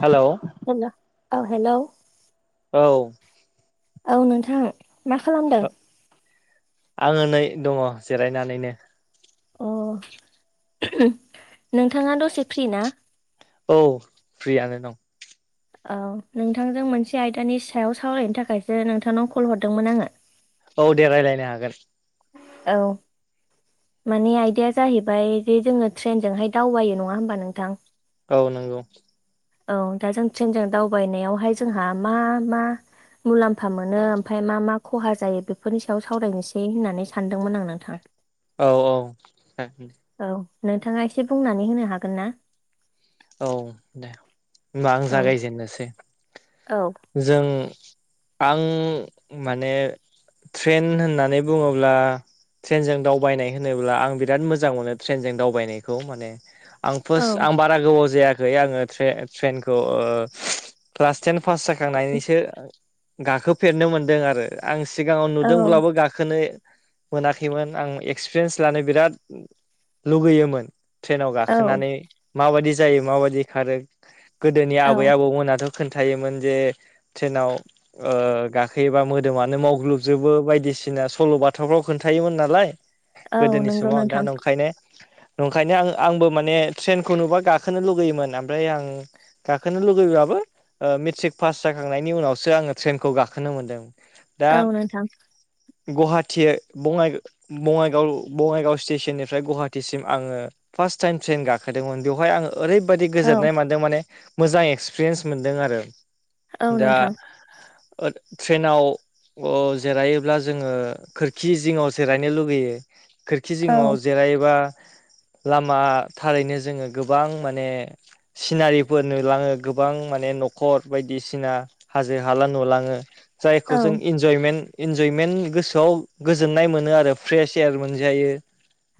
Hello. हेल' औ हेल' औ। औ नोंथां मा खालामदों? आङो नै दङ' जिरायनानैनो। अ' नोंथाङा दसे फ्रि ना? औ फ्रियानो दं। औ नोंथांजों मोनसे आयदानि सायाव सावरायनो थाखायसो नोंथांनाव कल हरदोंमोन आङो। [inaudible] औ दे रायलायनो हागोन। औ। माने आइदाया जाहैबाय जे जोङो ट्रेनजोंहाय दावबायो नङा होमबा नोंथां। औ नोंगौ। औ दा जों ट्रेनजों दावबायनायावहाय जोंहा मा मा। मुलाम्फा मोनो ओमफ्राय मा मा खहा जायो बेफोरनि सायाव सावरायनोसै होननानै सानदोंमोन आं नोंथां। औ औ जागोन दे। औ नोंथाङा एसे बुंनानै होनो हागोन ना। औ दे होमबा आं औ जागायजेननोसै। औ। जों आं माने। ट्रेन होननानै बुङोब्ला। ट्रेनजों दावबायनाय होनोब्ला आं बिराद मोजां मोनो ट्रेनजों दावबायनायखौ माने। आं फार्स्ट औ आं बारा गोबाव जायाखै आङो ट्रे ट्रेनखौ ओ। क्लास टेन पास जाखांनानैसो गाखोफेरनो मोनदों आरो। आं सिगाङाव औ नुदोंब्लाबो गाखोनो। मोनाखैमोन आं एक्सपिरियेन्स लानो बिराद लुगैयोमोन। ट्रेनाव औ गाखोनानै माबायदि जायो माबायदि खारो गोदोनि औ आबै आबौमोनाथ'। खोन्थायोमोन जे ट्रेनाव। ओ गाखोयोबा मोदोमानो मावग्लुबजोबो बायदिसिना सल' बाथाफ्राव खोन्थायोमोन नालाय। औ गोदोनि नंगौ समाव दा नोंथां नंखायनो नंखायनो आं आंबो माने ट्रेनखौ नुबा गा खोनो लुगैयोमोन ओमफ्राय आं गाखोनो लुगैब्लाबो। ओ मेट्रिक पास जाखांनायनि उनावसो आङो ट्रेनखौ गाखोनो मोन्दों। दा औ नोंथां गुवाहाटी बङाइ। बङाइगाव बङाइगाव स्टेशननिफ्राय गुवाहाटिसिम आङो। फार्स्टटाइम ट्रेन गाखोदोमोन बेवहाय आङो। ओरैबायदि औ गोजोननाय मोनदों माने मोजां एक्सपिरियेन्स मोनदों आरो औ दा। नोंथां ओ ट्रेनाव। अ जिरायोब्ला जोङो खोरखि जिङाव जिरायनो लुबैयो। खोरखि औ जिङाव जिरायोबा लामा थारैनो जोङो गो बां माने सिनारिफोर नुलाङो गोबां माने न'खर बायदिसिना। हाजो हाला नुलाङो औ जायखौ जों। इन्जयमेन्ट इन्जयमेन्ट गोसोआव गोजोननाय मोनो आरो फ्रेश एयार मोनजायो।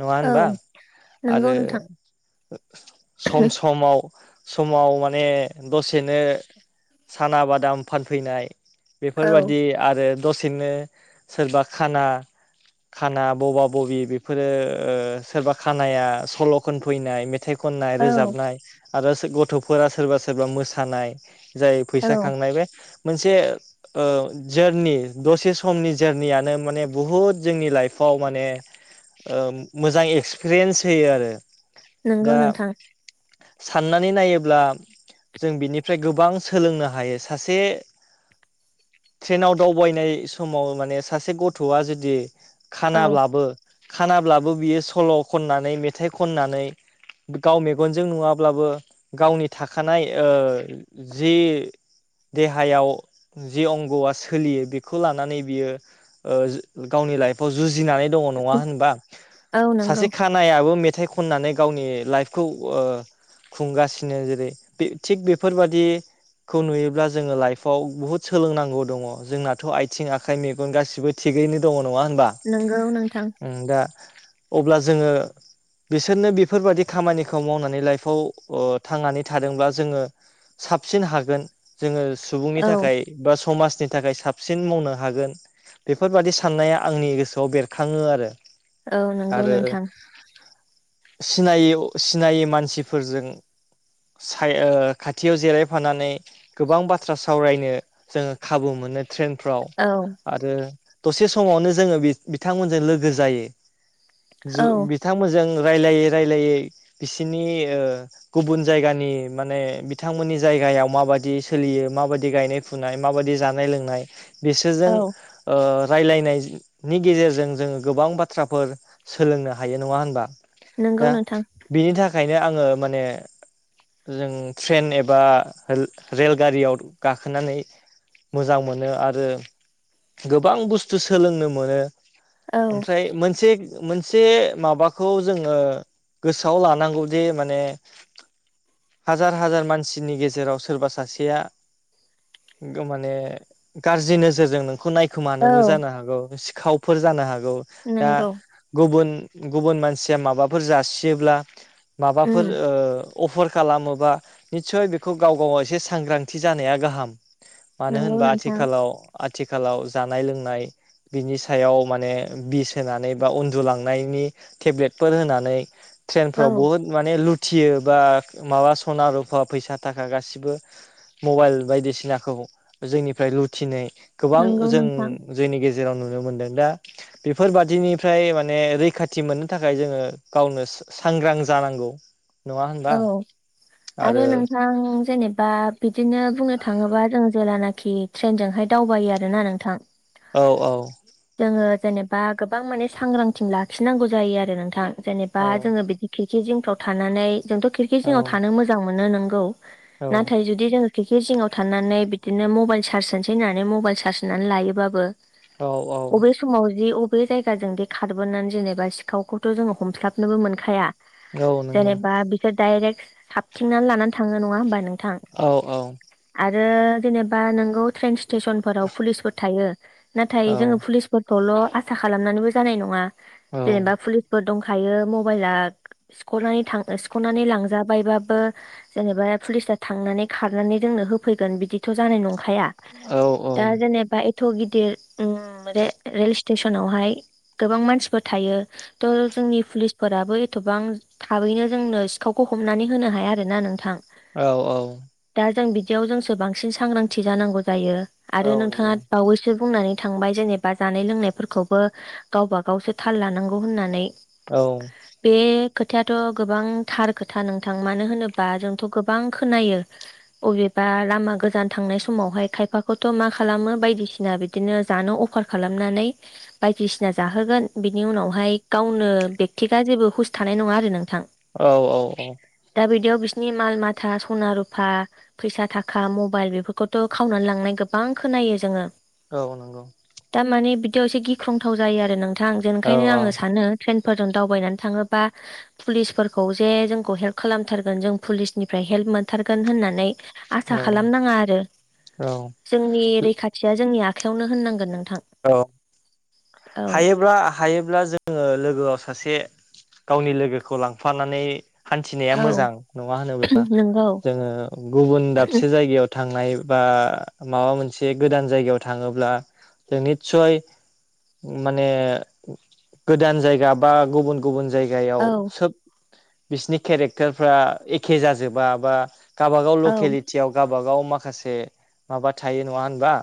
नङा होनबा औ नंगौ आरो नोंथां सम समाव। समाव माने दसेनो साना बादाम फानफैनाय। औ बेफोरबादि आरो दसेनो सोरबा खाना। खाना बबा बबि बेफोरो ओ सोरबा खानाया सल' खनफैनाय मेथाइ। खननाय औ रोजाबनाय आरो गथ'फोरा सोरबा सोरबा मोसानाय। जाय औ फैसा खांनाय बे मोनसे ओ जोरनि दसे समनि जोरनियानो माने बुहुद जोंनि लाइफआव माने ओ मोजां एक्सपिरियेन्स होयो आरो नंगौ दा नोंथां साननानै नायोब्ला जों बिनिफ्राय गोबां सोलोंनो हायो सासे ट्रेनाव दावबायनाय समाव माने सासे गथ'आ जुदि औ खानाब्लाबो खानाब्लाबो बियो सल' खननानै मेथाइ खननानै गाव मेगनजों नुवाब्लाबो गावनि थाखानाय ओ जि। देहायाव जे अंग'आ सोलियो बेखौ लानानै बियो गावनि लाइफआव जुजिनानै द होना औ नंगौ सासे ख मेथ खनानै गावनि लाइफखौ खुंगासिनो जेरै बे थिग बेफोरबादि खौ नुयोब्ला जोङो लाइफआव बुहुत सोलोंनांगौ दङ जोंनाथ' आथिं आखाइ मेगन गासिबो थिगैनो दङ नङा होनबा नंगौ नोंथां दा अब्ला जोङो बिसोरनो बेफोरबायाददि खामानिखौ मावनानै लाइफआव थांनानै थादोंब्ला जोङो साबसिन हागोन जोङो सुबुंनि औ थाखाय बा समाजनि थाखाय साबसिन मावनो हागोन बेफोरबादि साननाया आंनि गोसोआव बेरखाङो आरो औ नंगौ आरो नोंथां सिनायै सिनायै मानसिफोरजों साय ओ खाथियाव जिरायफानानै गोबां बाथ्रा सावरायनो जोङो खाबु मोनो ट्रेनफ्राव औ आरो दसे समावनो जोङो बि बिथांमोनजों लोगो जायो। ज औ बिथांमोनजों रायलायै रायलायै बिसोरनि ओ गुबुन जायगानि माने बिथांमोननि जायगायाव माबायदि सोलियो माबायदि गायनाय फुनाय माबायदि जानाय लोंनाय बिसोरजों औ ओ रायलायनायनि गेजेरजों जोङो गोबां बाथ्राफोर सोलोंनो हायो नङा होनबा नंगौ दा नोंथां बिनि थाखायनो आङो माने जों ट्रेन एबा रेलगारियाव गाखोनानै मोजां मोनो आरो गोबां बुस्थु सोलोंनो मोनो औ ओमफ्राय मोनसे मोनसे माबाखौ जोङो गोसोआव लानांगौ जे माने हाजार हाजार मानसिनि गेजेराव सोरबा सासेया माने गाज्रि नोजोरजों नोंखौ नाय खोमानोबो औ जानो हागौ सिखावफोर जानो हागौ दा नंगौ गुबुन गुबुन मानसिया माबाफोर जासियोब्ला उम माबाफोर ओ अफार खालामोबा निस्सय बेखौ गाव गावाव एसे सांग्रांथि जानाया गाहाम मानो नंगौ होनबा नोंथां आथिखालाव आथिखालाव जानाय लोंनाय बिनि सायाव माने बिस होनानै बा उन्दुलांनायनि टेब्लेटफोर होना [unintelligible] औ ट्रेनफ्राव बहुथ माने लुथियो बा माबा सना रुफा फैसा थाखा गासिबो मबाइल बायदिसिनाखौ जोंनिफ्राय लुथिनाय गोबां नंगौ जों नोंथां जोंनि गेजेराव नुनो मोनदों दा बेफोरबादिनिफ्राय माने रैखाथि मोननो थाखाय जोङो गावनो सांग्रां जानांगौ नङा होनबा औ आरो नोंथां जेनेबा बिदिनो बुंनो थाङोबा जों जेेलानाखि ट्रेनजोंहाय दावबायो आरोना नोंथां औ औ जोङो जेनेबा गोबां माने सांग्रांथि लाखिनांगौ जायो आरो नोंथां जेनेबा औ जोङो बिदि खिरखि जिंफ्राव थानानै जोंथ' खिरखि औ जिङआव थानो मोजां मोनो नोंगौ औ नाथाय जुदि जों खिरखि जिङाव थानानै बिदिनो मबाइल चारस होनोसै होननानै मबाइल चार्ज होनानै लायोबाबो औ अबे औ समाव जि बै जायगाजों दि खारबोनानै जेनेबा सिखावखौथ' जोङो हमस्लाबनोबो मोनखाया। औ नंगौ जेनेबा बिसोर डायरेक्ट साबथिंनानै लानानै थाङो नङा होमबा नों औ औ आरो जेनेबा नोंगौ ट्रेन स्टेसनफोराव पुलिसफोर थायो। नाथाय औ जोङो पुलिस फोरखौल' आसा खालामनानैबो जानाय नङा औ जेनेबा पुलिसफोर दं हायो मबाइला सिख'नानै थां सिख'नानै लांजाबायबाबो जेनेबा पुलिसथा थांनानै खारनानै जोंनो होफैगोन बिदिथ' जानाय नंखाया। औ दा औ जेनेबा एथ' गिदिर उम रे-रेल स्टेसनाव हाय गोबां मानसिफोर थायो। थ' जोंनि फुलिसफोराबो एथबां थाबैनो जोंनो सिखावखौ हमनानै होनो हाया आरो ना नोंथां। औ औ दा जों बिदियाव जोंसो बांसिन सांग्रांथि जानांगौ जायो। औ आरो नोंथाङा नंगौ बावैसो बुंनानै थांबाय जेनेबा जानाय लोंनायफोरखौबो गावबा गावसो थाल लानांगौ होननानै। औ बे खोथायाथ' गोबां थार खोथा नोंथां। मानो होनोबा जोंथ' गोबां खोनायो। अबेबा लामा गोजान थांनाय समावहाय खायफाखौथ' मा खालामो बायदिसिना बे दिनो जानो अफार खालामनानै बायदिसिना जाहोगोन बिनि उनावहाय गावनो बेक्थिगआ जेबो हुस थानाय नङा आरो नोंथां। औ औ औ दा बिदियाव बिसिनि माल माथा सना रुफा फैसा थाखा मबाइल बेफोरखौथ' खावनानै लांनाय गोबां खोनायो जोङो। औ नंगौ। दा माने बिदियाव एसे गिख्रंथाव जायो आरो नोंथां। जे औ ओंखायनो आङो सानो ट्रेन फोरजों दावबायनानै थाङोबा पुलिसफोरखौ जे जोंखौ हेल्प खालामथारगोन जों पुलिसनिफ्राय हेल्प मोनथारगोन होननानै आसा औ खालामनाङा आरो जोंनि रैखाथिया जोंनि आखायावनो होननांगोन नोंथां। औ औ हायोब्ला हायोब्ला जोङो लोगोआव सासे गावनि लोगोखौ लांफानानै हान्थिनाया औ मोजां नङा होनोब्ला नंगौ जोङो गुबुन दाबसे जायगायाव थांनाय बा माबा मोनसे गोदान जायगायाव थाङोब्ला जों निस्सय माने गोदान जायगा बा गुबुन गुबुन जायगायाव औ सोब बिसिनि केरेक्टारफ्रा एखे जाजोबा बा गाबागाव औ लकेलिटियाव गाबागाव माखासे माबा थायो नङा होनबा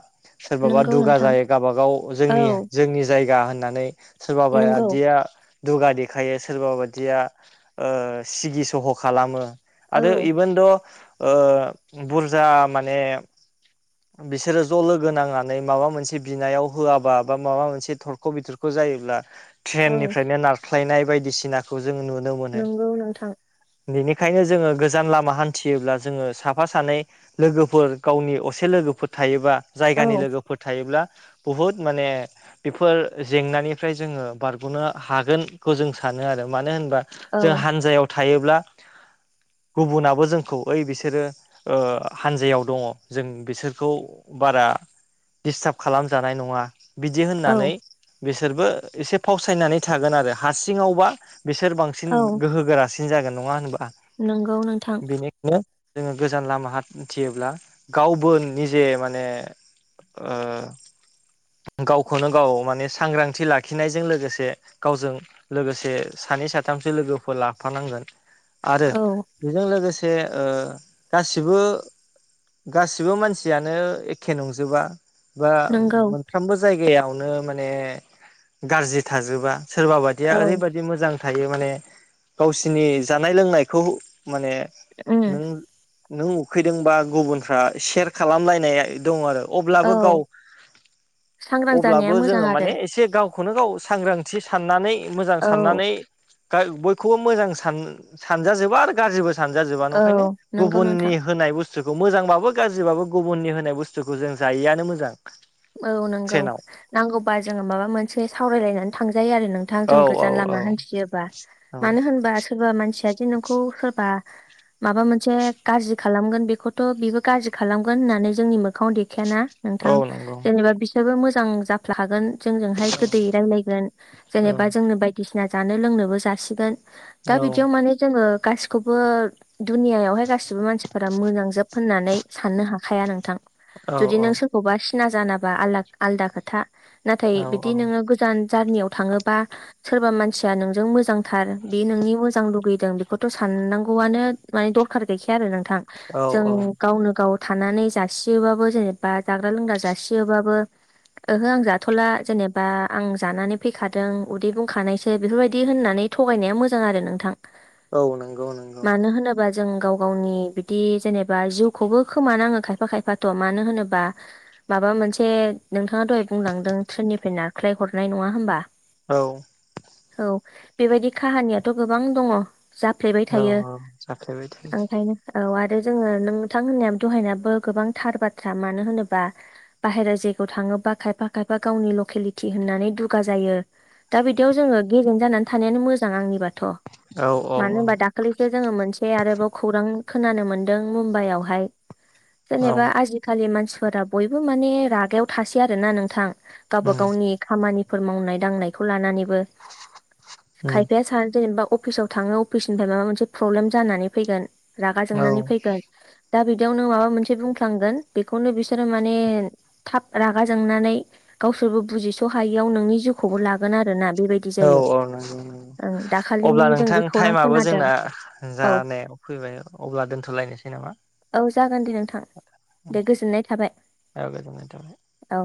सोरबाबा नंगौ दुगा नोंथां जायो गाबागाव औ जोंनि-जोंनि जायगा होननानै। सोरबाबाया नंगौ दिया दुगा देखायो सोरबा बादिया ओ सिगि सह' खालामो। औ आरो इभोन द ओ बुरजा माने बिसोरो ज' लोगो नांनानै माबा मोनसे बिनायाव होआबा बा माबा मोनसे थरख' बिथर ख' जायोब्ला औ थ्रेननिफ्रायनो नारख्लायनाय बायदिसिनाखौ जों नुनो मोनो। नंगौ नोंथां बेनिखायनो जोङो गोजान लामा हान्थियोब्ला जोङो साफा सानै लोगोफोर गावनि असे लोगोफोर थायोबा औ जायगानि लोगोफोर थायोब्ला बुहुत माने बेफोर जेंनानिफ्राय जोङो बारग'नो हागोनखौ जों सानो आरो मानो होनबा जों औ हानजायाव थायोब्ला गुबुनाबो जोंखौ ओइ बिसोरो ओ हानजायाव दङ' जों बिसोरखौ बारा डिस्टाब खालामजानाय नङा बिदि होननानै औ बिसोरबो एसे फावसायनानै थागोन आरो हासिङावबा बिसोर बांसिन गोहोगोरासिन सिन जागोन नङा होनबा नोंगौ नोंथां नो जोङो गोजान लामा हान्थियोब्ला गावबो निजे माने ओ गावखौनो गाव माने सांग्रांथि लाखिनायजों लोगोसे गावजों लोगोसे सानै साथामसो लोगोफोर लाफानांगोन आरो औ बेजों लोगोसे ओ गासिबो गासिबो मानसियानो एखे नंजोबा बा नंगौ मोनफ्रोमबो जायगायावनो माने ग्राजि थाजोबा सोरबा बायदिया औ ओरै बाय बिदि मोजां थायो माने गावसिनि जानाय लोंनायखौ माने उम नों-नों उखैदोंबा गुबुनफ्रा सेर खालामलायनाया दं आरो अब्लाबो गाव औ सांग्रां जानाया अब्लाबो मोजां जोङो आरो माने एसे गाव खौनो गाव सांग्रांथि साननानै मोजां औ साननानै गा बयखौबो मोजां सान-सानजाजोबो आरो गाज्रिबो सानजा जोबा औ नंखायनो नंगौ नोंथां गुबुननि होनाय बुसथुखौ मोजांबाबो गाज्रिबाबो गुबुननि होनाय बुस्थुखौ जों जायिआनो मोजां औ नोंगौ ट्रेनाव नांगौबा जोङो माबा मोनसे सावरायलायनानै थांजायो आरो नों थां औ जों औ गोजान औ लामा हान्थियोबा औ मानो होनबा सोरबा मानसिया जे नोंखौ सोरबा माबा मोनसे गाज्रि खालामगोन बेखौथ' बेबो गाज्रि खालामगोन होननानै जोंनि मोखाङाव दे खायाना औ नोंथां नंगौ जेनेबा बिसोरबो मोजां जाफ्ला खागोन जोंजोंहाय गोदैै रायलायगोन औ जेनेबा जोंनो बाय दिसिना जानो लोंनोबो जासिगोन दा बिदियाव माने जोङो गासि खौबो दुनियायावहाय गासिबो मानसिफोरा मोजांजोब होननानै साननो हाखाया नोंथां औ जुदि नों सोरखौबा सिना जानाबा आल-आलदा खोथा नाथाय औ बिदि नोङो गोजान जारनियाव थाङोबा सोरबा मानसिया नोंजों मोजांथार बे नोंनि मोजां लुगैदों बेखौथ' साननांगौआनो माने दरखार गैखाया आरो नोंथां औ जों औ गावनो गाव थानानै जासियोबाबो जेनेबा जाग्रा लोंग्रा जासियोबाबो ओहो आं जाथ'ला जेनेबा आं जानानै फैखादों उदै बुंखानायसो बेफोरबायदि होननानै थगायनाया मोजां आरो नोंथां औ नंगौ नंगौ होनबा जों गाव गावनि बिदि जेनेबा जिउखौबो खोमानाङो खायफा खायफाथ' मानो होनोबा माबा मोनसे नोंथाङा दहाय बुंलांदों ट्रेननिफ्राय नारख्लाय हरनाय नङा होमबा औ औ बेबायदि काहानियाथ' गोबां दङ जाफ्लेबाय औ थायो औ जाफ्लेबाय थायो ओंखायनो औ आरो जोङो नोंथां होननाया दहायनायाबो गोबांथार बाथ्रा मानो होनोबा बाहेरा जायगायाव थाङोबा खायफा खायफा गावनि लकेलिटि होननानै दुगा जायो दा बिदियाव जोङो गेजेन जानानै थानायानो मोजां आंनिबाथ' औ औ मानो होनबा दा खालिसो जोङो मोनसे आरोबाव खौरां खोनानो मोनदों मुम्बाइआवहाय औ जेनेबा आजिखालि मानसिफोरा बयबो माने रागायाव थासै आरो ना नोंथां गाबा उम गावनि खामानिफोर मावनाय दांनायखौ लानानैबो उम खायफाया सा जेनेबा अफिसाव थाङो अफिसनिफ्राय माबा मोनसे प्रब्लेम जानानै फैगोन रागा औ जोंनानै फैगोन दा बिदियाव नों माबा मोनसे बुंफ्लांगोन बेखौनो बिसोरो माने थाब रागा जोंनानै गावसोरबो बुजिस' हायियाव नोंनि जिउखौबो लागोन आरोना बेबायदि औ जायो औ नंगौ नों ओं दाखालिनि अब्ला जों नोंथां जे खौरां टाइमाबो खोनादों जोंना औ जानायाव फैबाय अब्ला दोनथ'लायनोसै नामा औ जागोन दे नोंथां दे गोजोननाय थाबाय [inaudible] औ